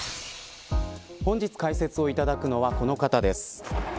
本日、解説をいただくのはこの方です。